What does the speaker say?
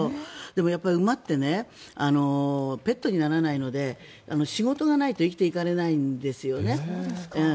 でも、馬ってペットにならないので仕事がないと生きていけないんですね。